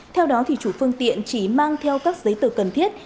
theo đó chủ phương tiện chỉ mang theo các giấy tờ cần thiết